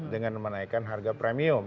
dengan menaikkan harga premium